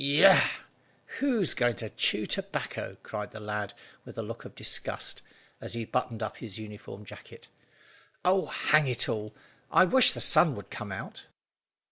"Yah! Who's going to chew tobacco!" cried the lad with a look of disgust, as he buttoned up his uniform jacket. "Oh, hang it all, I wish the sun would come out!"